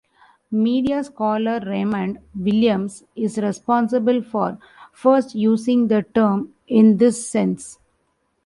Media scholar Raymond Williams is responsible for first using the term in this sense.